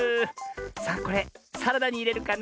さあこれサラダにいれるかな？